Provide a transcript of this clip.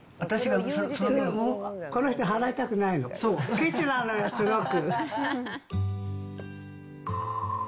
ケチなのよ、すごく。